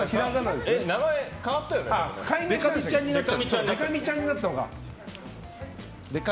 でか美ちゃんになったのかな？